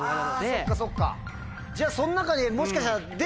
じゃその中にもしかしたら。